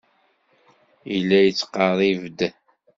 Yella yettqerrib-d.